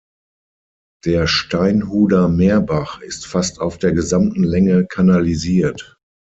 Der Steinhuder Meerbach ist fast auf der gesamten Länge kanalisiert.